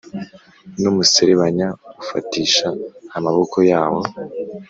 n’umuserebanya ufatisha amaboko yawo